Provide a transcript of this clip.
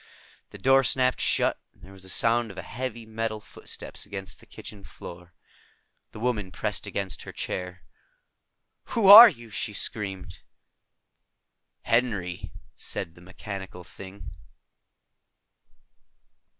The door snapped shut, and there was a sound of heavy metal footsteps against the kitchen floor. The woman pressed against her chair. "Who are you?" she screamed. "Henry," said the mechanical thing.